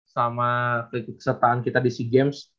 sama kesertaan kita di si games